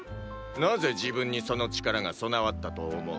なぜ自分にその力が備わったと思う？